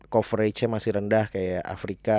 coverage nya masih rendah kayak afrika